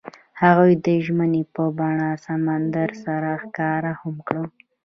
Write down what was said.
هغوی د ژمنې په بڼه سمندر سره ښکاره هم کړه.